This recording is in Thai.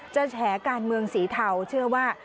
จะแฉการเมืองสีเทา